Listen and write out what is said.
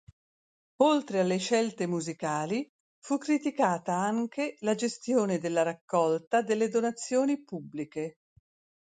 Oltre alle scelte musicali, fu criticata anche la gestione della raccolta delle donazioni pubbliche.